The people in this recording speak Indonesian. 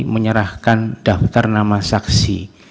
menyerahkan daftar nama saksi